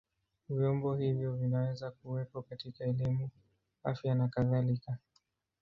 Vyombo hivyo vinaweza kuwepo katika elimu, afya na kadhalika.